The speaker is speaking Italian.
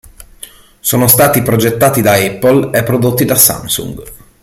Sono stati progettati da Apple e prodotti da Samsung.